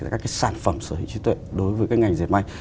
các cái sản phẩm sở hữu trí tuệ đối với cái ngành dệt may